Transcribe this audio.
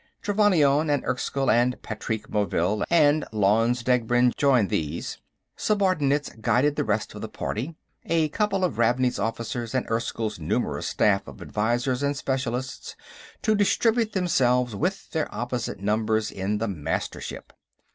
Trevannion and Erskyll and Patrique Morvill and Lanze Degbrend joined these; subordinates guided the rest of the party a couple of Ravney's officers and Erskyll's numerous staff of advisors and specialists to distribute themselves with their opposite numbers in the Mastership.